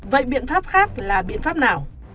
vậy biện pháp khác là biện pháp nào